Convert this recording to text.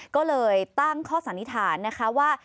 ก็เลยตั้งข้อสันนิษฐานนะคะว่า